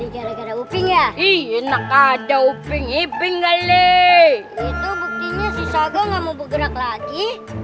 gara gara uping ya iya enak ada uping uping kali itu buktinya si saga nggak mau bergerak lagi